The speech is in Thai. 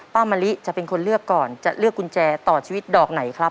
มะลิจะเป็นคนเลือกก่อนจะเลือกกุญแจต่อชีวิตดอกไหนครับ